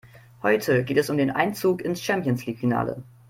Heute geht es um den Einzug ins Champions-League-Finale.